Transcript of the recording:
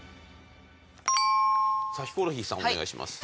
ヒコロヒーさんお願いします。